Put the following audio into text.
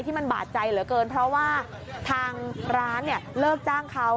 ที่มันบาดใจเหลือเกินเพราะว่าทางร้านเนี่ยเลิกจ้างเขา